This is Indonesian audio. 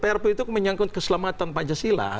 prpu itu menyangkut keselamatan pancasila